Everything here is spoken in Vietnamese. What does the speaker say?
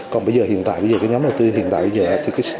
còn bây giờ hiện tại bây giờ cái nhóm đầu tư hiện tại bây giờ ethi